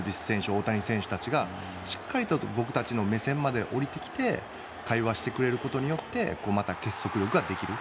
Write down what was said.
大谷選手たちがしっかりと僕たちの目線まで下りてきて会話してくれることでまた結束力ができる。